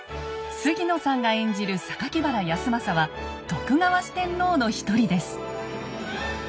杉野さんが演じる原康政は徳川四天王の一人です。